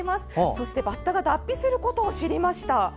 そしてバッタが脱皮することを知りました。